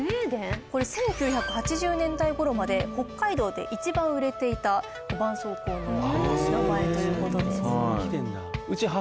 これ１９８０年代頃まで北海道で一番売れていたばんそうこうの名前という事です。